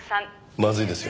まずいですよ。